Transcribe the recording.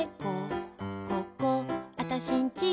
ここ、あたしんち